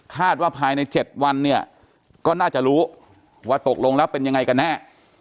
ว่าภายใน๗วันเนี่ยก็น่าจะรู้ว่าตกลงแล้วเป็นยังไงกันแน่